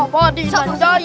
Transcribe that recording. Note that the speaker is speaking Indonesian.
bodi dan daya